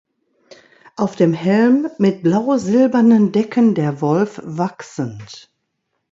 Auf dem Helm mit blau-silbernen Decken der Wolf wachsend.